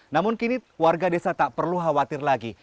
namun kini warga desa tak perlu khawatir lagi